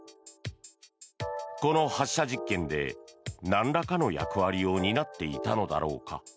この発射実験でなんらかの役割を担っていたのだろうか。